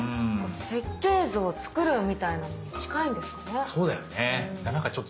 設計図を作るみたいなのに近いんですかね？